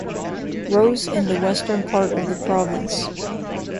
Rose in the western part of the province.